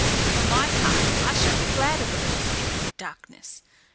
For my part, I shall be glad of a little thick darkness.